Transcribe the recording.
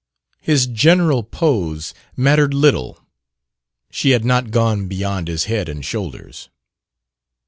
His general pose mattered little: she had not gone beyond his head and shoulders.